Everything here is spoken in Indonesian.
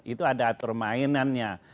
itu ada atur mainannya